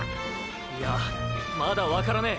いやまだわからねェ。